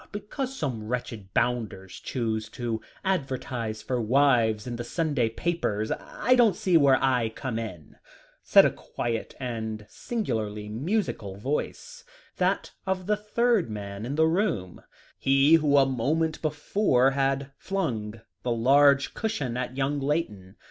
"Because some wretched bounders choose to advertise for wives in the Sunday papers, I don't see where I come in," said a quiet and singularly musical voice that of the third man in the room he who a moment before had flung the large cushion at young Layton.